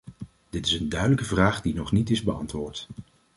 Dit is een duidelijke vraag die nog niet is beantwoord.